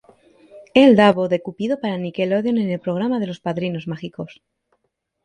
Él da voz de Cupido para Nickelodeon en el programa Los Padrinos Mágicos.